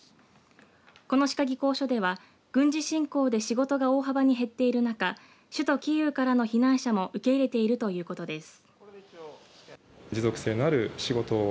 この歯科技工所では軍事侵攻で仕事が大幅に減っている中、首都キーウからの避難者も受け入れているということです。